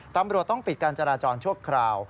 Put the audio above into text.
ตำรวจต้องปิดการจราจรชั่วคราว